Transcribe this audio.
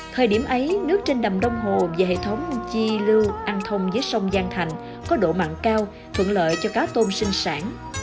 thời điểm ấy nước trên đầm đông hồ và hệ thống chi lưu an thông dưới sông giang thành có độ mặn cao thuận lợi cho cá tôm sinh sản